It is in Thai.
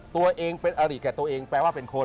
ตัวเองเป็นอริแก่ตัวเองแปลว่าเป็นคน